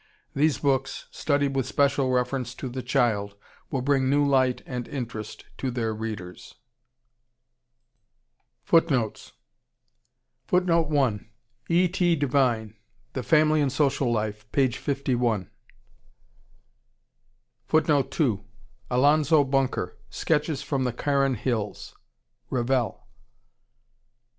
These books, studied with special reference to The Child, will bring new light and interest to their readers._ FOOTNOTES: E. T. Devine, "The Family and Social Life," p. 51. Alonzo Bunker, "Sketches from the Karen Hills." Revell.